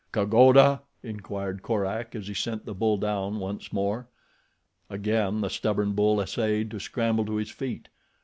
"Kagoda?" inquired Korak, as he sent the bull down once more. Again the stubborn bull essayed to scramble to his feet.